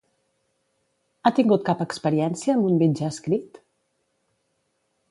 Ha tingut cap experiència amb un mitjà escrit?